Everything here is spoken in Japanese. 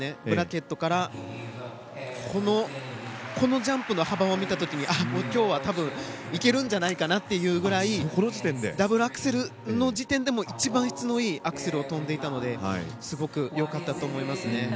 ブラケットからのジャンプの幅を見た時に今日は多分、いけるんじゃないかなというぐらいダブルアクセルの時点でも一番質のいいアクセルを跳んでいたのですごく良かったと思いますね。